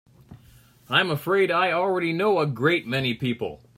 I'm afraid I already know a great many people.